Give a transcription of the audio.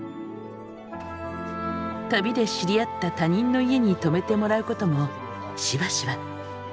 旅で知り合った他人の家に泊めてもらうこともしばしば。